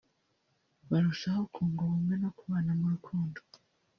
barushaho kunga ubumwe no kubana mu rukundo